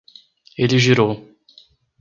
Ele girou